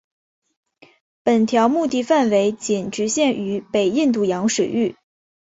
本条目的范围仅局限于北印度洋水域。